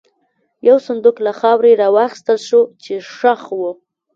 یو صندوق له خاورې را وایستل شو، چې ښخ و.